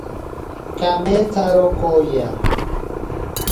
Kametsaro kooya.